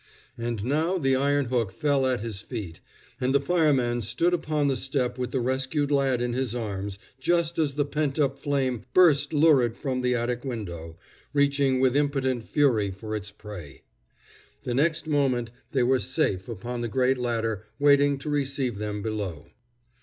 And now the iron hook fell at his feet, and the fireman stood upon the step with the rescued lad in his arms, just as the pent up flame burst lurid from the attic window, reaching with impotent fury for its prey. The next moment they were safe upon the great ladder waiting to receive them below.